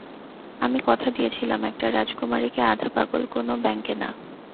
আমি কথা দিয়েছিলাম একটা রাজকুমারীকে, আধা পাগল কোনো ব্যাঙকে না।